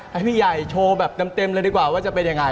ให้พี่ใหญ่โชว์แบบเต็มเลยดีกว่าว่าจะเป็นยังไง